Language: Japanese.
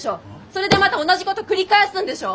それでまた同じこと繰り返すんでしょ！